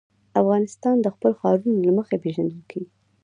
افغانستان د خپلو ښارونو له مخې پېژندل کېږي.